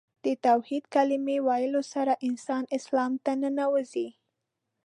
د توحید کلمې ویلو سره انسان اسلام کې ننوځي .